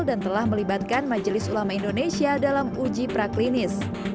dan telah melibatkan majelis ulama indonesia dalam uji pra klinis